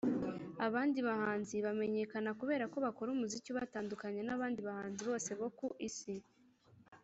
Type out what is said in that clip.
Abandi bahanzi bamenyekana kubera ko bakora umuziki ubatandukanya n’abandi bahanzi bose bo ku isi